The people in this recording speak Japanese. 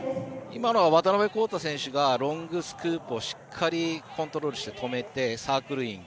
渡辺晃大選手がロングスクープをしっかりコントロールして止めて、サークルイン。